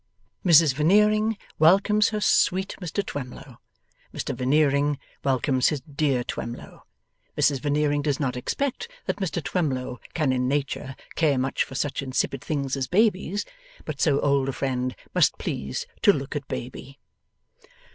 Mrs Veneering welcomes her sweet Mr Twemlow. Mr Veneering welcomes his dear Twemlow. Mrs Veneering does not expect that Mr Twemlow can in nature care much for such insipid things as babies, but so old a friend must please to look at baby.